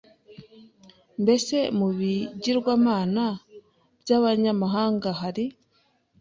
Mbese mu bigirwamana by abanyamahanga hari